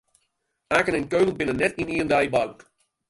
Aken en Keulen binne net yn ien dei boud.